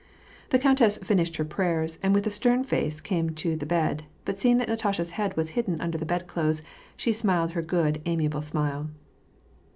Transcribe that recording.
The countess finished her prayers, and with a stern face came to the bed, but seeing that Natasha's head was hidden under the bedclothes, she smiled her good, amiable smile.